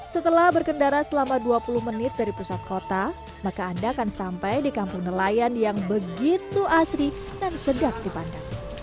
setelah berkendara selama dua puluh menit dari pusat kota maka anda akan sampai di kampung nelayan yang begitu asri dan sedap dipandang